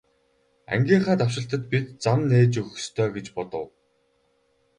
Ангийнхаа давшилтад бид зам нээж өгөх ёстой гэж бодов.